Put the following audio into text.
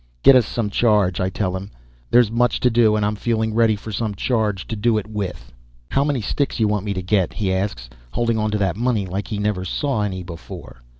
"Get us some charge," I tell him. "There's much to do and I'm feeling ready for some charge to do it with." "How many sticks you want me to get?" he asks, holding on to that money like he never saw any before.